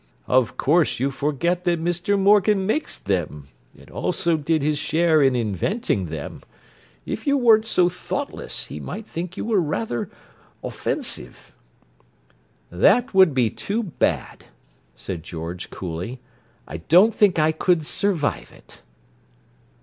"Of course you forget that Mr. Morgan makes them, and also did his share in inventing them. If you weren't so thoughtless he might think you rather offensive." "That would be too bad," said George coolly. "I don't think I could survive it."